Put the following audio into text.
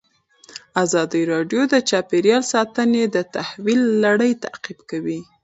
ازادي راډیو د چاپیریال ساتنه د تحول لړۍ تعقیب کړې.